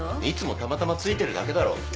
いつもたまたまついてるだけだろ。